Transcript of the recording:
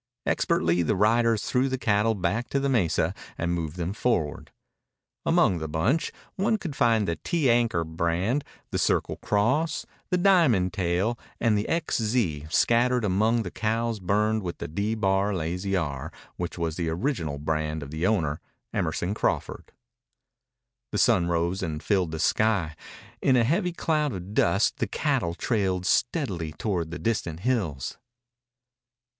Expertly the riders threw the cattle back to the mesa and moved them forward. Among the bunch one could find the T Anchor brand, the Circle Cross, the Diamond Tail, and the X Z, scattered among the cows burned with the D Bar Lazy R, which was the original brand of the owner, Emerson Crawford. The sun rose and filled the sky. In a heavy cloud of dust the cattle trailed steadily toward the distant hills.